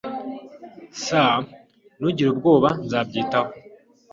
[S] Ntugire ubwoba. Nzabyitaho.